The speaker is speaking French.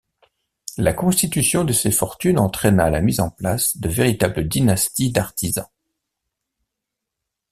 La constitution de ces fortunes entraîna la mise en place de véritables dynasties d'artisans.